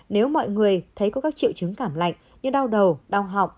nếu mọi người thấy có các triệu chứng cảm lạnh như đau đầu đau họng